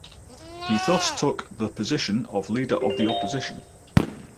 He thus took the position of Leader of the Opposition.